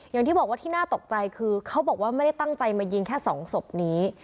อย่างที่บอกว่าที่น่าตกใจคือเขาบอกว่าไม่ได้ตั้งใจมายิงแค่สองศพนี้